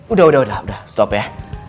udah udah udah stop ya